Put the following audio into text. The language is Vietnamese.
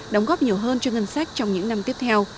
đóng góp nhiều hơn cho ngân sách trong những năm tiếp theo